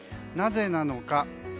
なぜなのか。